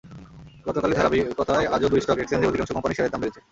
গতকালের ধারাবাহিকতায় আজও দুই স্টক এক্সচেঞ্জে অধিকাংশ কোম্পানির শেয়ারের দাম বেড়েছে।